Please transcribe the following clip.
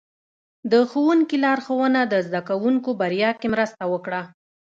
د ښوونکي لارښوونه د زده کوونکو بریا کې مرسته وکړه.